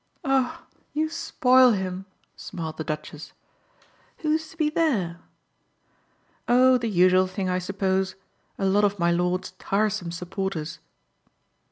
"Ah you spoil him!" smiled the Duchess. "Who's to be there?" "Oh the usual thing, I suppose. A lot of my lord's tiresome supporters."